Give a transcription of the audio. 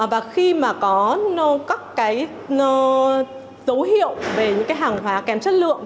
và khi mà có các cái dấu hiệu về những cái hàng hóa kém chất lượng